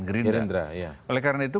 gerindra oleh karena itu